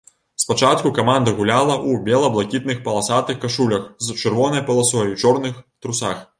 Спачатку каманда гуляла ў бела-блакітных паласатых кашулях з чырвонай паласой і чорных трусах.